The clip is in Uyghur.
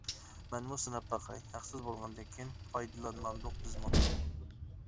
مەنمۇ سىناپ باقاي، ھەقسىز بولغاندىكىن پايدىلانمامدۇق بىزمۇ.